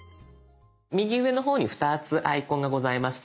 右上の方に２つアイコンがございますよね。